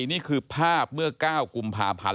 นี่คือภาพเมื่อ๙กุมภาพันธ์